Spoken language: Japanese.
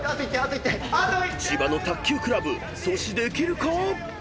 ［千葉の卓球クラブ阻止できるか？］